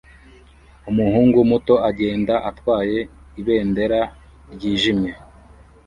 Umuhungu muto agenda atwaye ibendera ryijimye